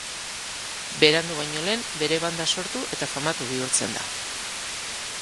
Berandu baino lehen bere banda sortu eta famatu bihurtzen da.